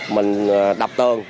mình đập tường